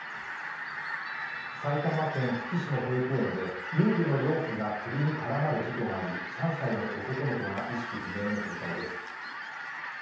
埼玉県久喜市の保育園で遊具のロープが首に絡まる事故があり３歳の男の子が意識不明の重体です。